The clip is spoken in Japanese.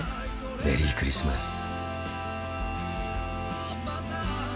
メリークリスマス